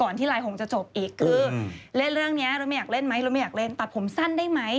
ที่ไลน์หงจะจบอีกคือเล่นเรื่องนี้เราไม่อยากเล่นไหมเราไม่อยากเล่นตัดผมสั้นได้ไหม